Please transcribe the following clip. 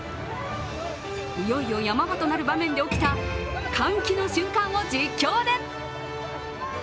いよいよヤマ場となる場面で起きた歓喜の瞬間を実況で。